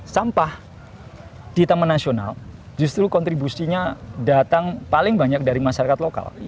sampah di taman nasional justru kontribusinya datang paling banyak dari masyarakat lokal